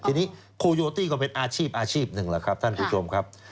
ทีนี้โคโยตี้ก็เป็นอาชีพอาชีพหนึ่งแหละครับท่านผู้ชมครับ